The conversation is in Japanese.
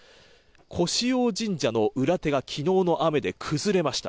古四王神社の裏手がきのうの雨で崩れました。